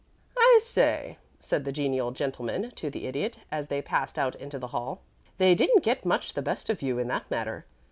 "I say," said the genial gentleman to the Idiot, as they passed out into the hall, "they didn't get much the best of you in that matter.